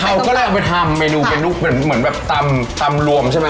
เขาก็เลยเอาไปทำเมนูเป็นลูกเหมือนแบบตำตำรวมใช่ไหม